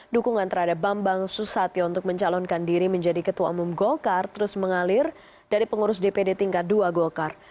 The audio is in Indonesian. dukungan terhadap bambang susatyo untuk mencalonkan diri menjadi ketua umum golkar terus mengalir dari pengurus dpd tingkat dua golkar